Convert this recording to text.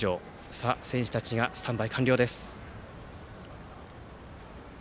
さあ、選手たちがスタンバイ完了です。